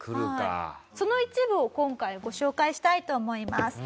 その一部を今回ご紹介したいと思います。